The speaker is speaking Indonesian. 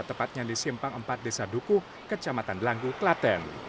tepatnya di simpang empat desa dukuh kecamatan langgu klaten